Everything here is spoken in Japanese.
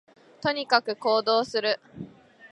とにかく行動する